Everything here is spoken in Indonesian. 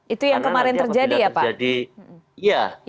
itu yang kemarin terjadi ya pak